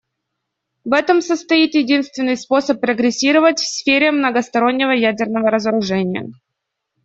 В этом состоит единственный способ прогрессировать в сфере многостороннего ядерного разоружения.